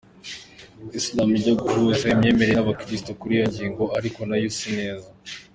Islam ijya guhuza imyemerere n’abakristu kuri iyo ngingo, ariko nayo si neza.